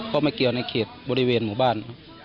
ไม่เกี่ยวในเขตบริเวณหมู่บ้าน